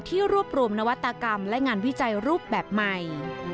รวบรวมนวัตกรรมและงานวิจัยรูปแบบใหม่